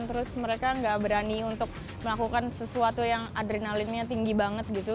terus mereka nggak berani untuk melakukan sesuatu yang adrenalinnya tinggi banget gitu